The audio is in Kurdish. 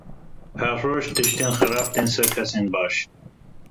Her roj tiştên xerab tên serê kesên baş.